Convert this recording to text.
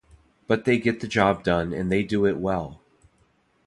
But they get the job done and they do it well!